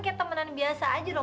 kayak temenan biasa aja dong